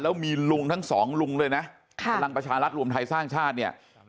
แล้วมีลุงทั้งสองลุงเลยนะพลังประชารัฐรวมไทยสร้างชาติเนี่ย